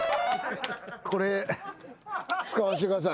これ使わしてください。